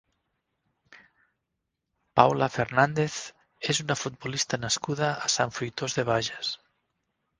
Paula Fernández és una futbolista nascuda a Sant Fruitós de Bages.